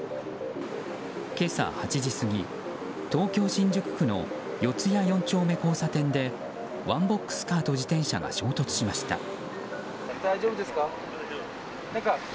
今朝８時過ぎ、東京・新宿区の四谷４丁目交差点でワンボックスカーと自転車が衝突しました。